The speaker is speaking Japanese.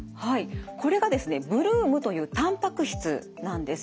これがですねブルームというたんぱく質なんです。